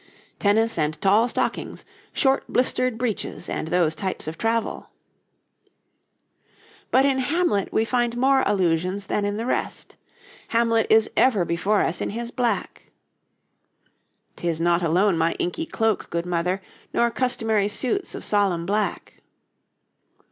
'Tennis and tall stockings, Short blistered breeches and those types of travel.' But in 'Hamlet' we find more allusions than in the rest. Hamlet is ever before us in his black: ''Tis not alone my inky cloak, good mother, Nor customary suits of solemn black.'